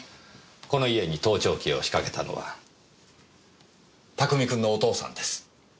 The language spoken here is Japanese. この家に盗聴器を仕掛けたのは拓海君のお父さんです。